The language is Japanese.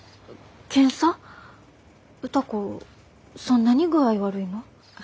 そんなに具合悪いの？